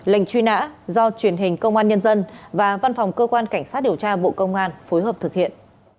lệnh truy nã do truyền hình công an nhân dân và văn phòng cơ quan cảnh sát điều tra bộ công an phối hợp thực hiện